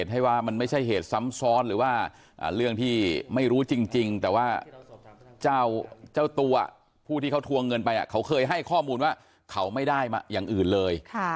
หรือว่าเรื่องที่ไม่รู้จริงแต่ว่าเจ้าตัวผู้ที่เขาทวงเงินไปเขาเคยให้ข้อบูรณ์ว่าเขาไม่ได้มาอย่างอื่นเลย